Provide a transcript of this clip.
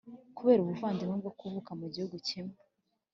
kubera ubuvandimwe bwo kuvuka mu gihugu kimwe,